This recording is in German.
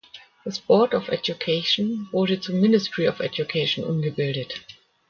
Das "Board of Education" wurde zum "Ministry of Education" umgebildet.